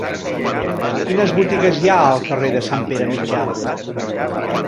Quines botigues hi ha al carrer de Sant Pere Mitjà?